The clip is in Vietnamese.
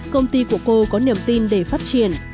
công ty của cô có niềm tin để phát triển